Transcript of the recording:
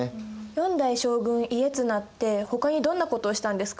４代将軍・家綱ってほかにどんなことをしたんですか？